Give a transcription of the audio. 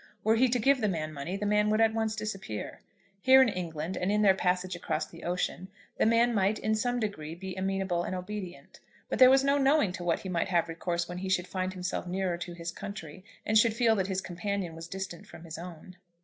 Were he to give the man money, the man would at once disappear. Here in England, and in their passage across the ocean, the man might, in some degree, be amenable and obedient. But there was no knowing to what he might have recourse when he should find himself nearer to his country, and should feel that his companion was distant from his own.